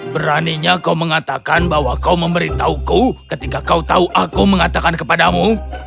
beraninya kau mengatakan bahwa kau memberitahuku ketika kau tahu aku mengatakan kepadamu